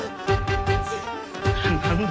何だ？